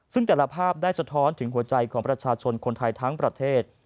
ซึ่งแต่ละภาพได้สะท้อนถึงหัวใจของประชาชนคนไทยทั้งประเทศ